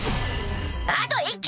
あと１機！